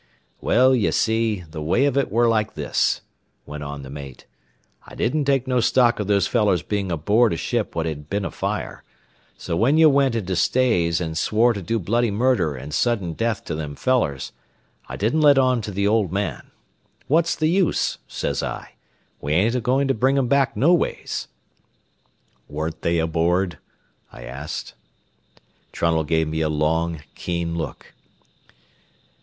"Well, ye see, the way of it ware like this," went on the mate. "I didn't take no stock o' those fellers bein' aboard a ship what had been afire, so when ye went into stays an' swore to do bloody murder an' suddin death to them fellers, I didn't let on to the old man. What's the use? says I. We ain't a goin' to bring them back noways." "Weren't they aboard?" I asked. Trunnell gave me a long, keen look.